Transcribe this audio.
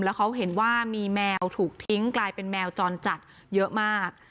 แล้วเขาเห็นว่ามีแมวถูกทิ้งกลายเป็นแมวจรจัดเยอะมาก